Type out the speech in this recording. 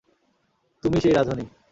তুমিই সেই রাধুনি।